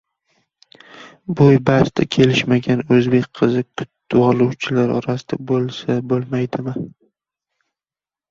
Boʻy basti kelishmagan oʻzbek qizi kutvoluvchilar orasida boʻlsa boʻlmaydimi?